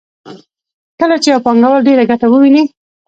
کله چې یو پانګوال ډېره ګټه وویني